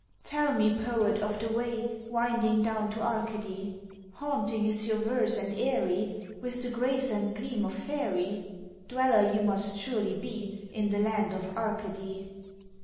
"Tell me, Poet, of the way Winding down to Arcady? Haunting is your verse and airy With the grace and gleam of faery Dweller you must surely be In the land of Arcady?"